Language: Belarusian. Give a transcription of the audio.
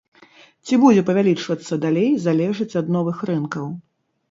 Ці будзе павялічвацца далей, залежыць ад новых рынкаў.